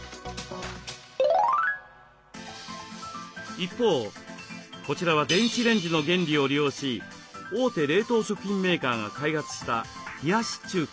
一方こちらは電子レンジの原理を利用し大手冷凍食品メーカーが開発した冷やし中華。